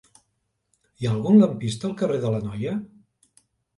Hi ha algun lampista al carrer de l'Anoia?